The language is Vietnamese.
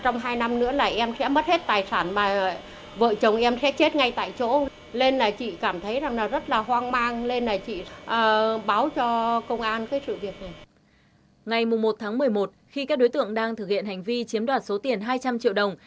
ngày một tháng một mươi một khi các đối tượng đang thực hiện hành vi chiếm đoạt số tiền hai trăm linh triệu đồng